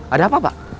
ada apa pak